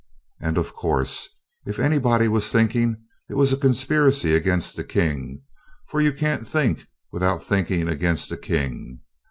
And, of course, if anybody was thinking, it was a conspiracy against the king; for you can't think without thinking against a king.